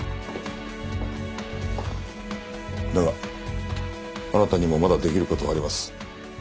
だがあなたにもまだできる事があります。